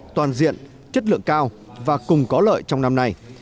toàn diện chất lượng cao và cùng có lợi trong năm nay